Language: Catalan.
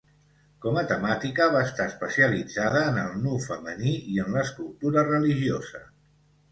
Com a temàtica, va estar especialitzada en el nu femení i en l'escultura religiosa.